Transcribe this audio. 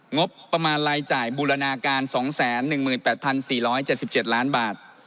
งบประมาณรายจ่ายบูรณาการ๒๑๘๔๗๗ล้านบาท